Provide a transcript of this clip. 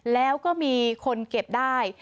แล้วก็มีคนเก็บได้